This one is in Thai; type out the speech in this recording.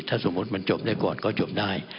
ถ้าสมมุติมันจบได้ก่อนก็จบได้